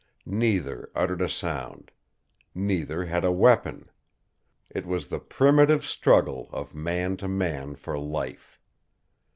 Neither uttered a sound. Neither had a weapon. It was the primitive struggle of man to man for life.